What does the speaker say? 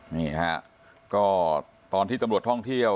นี่ฮะก็ตอนที่ตำรวจท่องเที่ยว